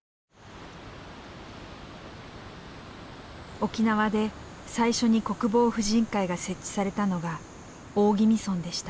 沖縄で最初に国防婦人会が設置されたのが大宜味村でした。